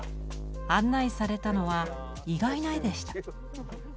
案内されたのは意外な絵でした。